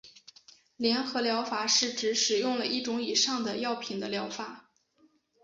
联合疗法是指使用了一种以上的药品的疗法。